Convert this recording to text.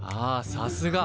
さすが。